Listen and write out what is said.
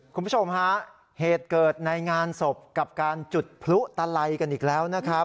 คุณผู้ชมฮะเหตุเกิดในงานศพกับการจุดพลุตะไลกันอีกแล้วนะครับ